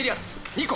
２個。